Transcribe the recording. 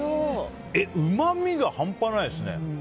うまみが半端ないですね。